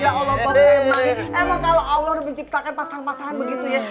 ya allah pak emang kalau allah udah menciptakan pasangan pasangan begitu ya